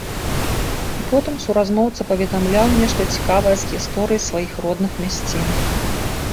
І потым суразмоўца паведамляў нешта цікавае з гісторыі сваіх родных мясцін.